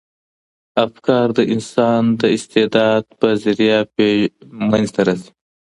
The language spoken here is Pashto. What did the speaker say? افکار د انسان د استعداد په ذریعه منځ ته راځي.